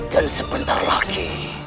dan sebentar lagi